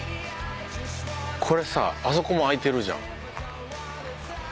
これさあそこも開いてるじゃん。